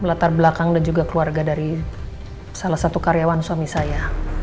latar belakang dan juga keluarga dari salah satu karyawan suami saya